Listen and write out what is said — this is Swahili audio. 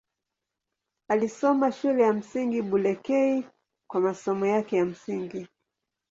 Alisoma Shule ya Msingi Bulekei kwa masomo yake ya msingi.